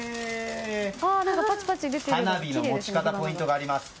花火の持ち方ポイントがあります。